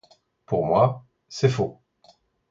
Pour moi, c'est faux.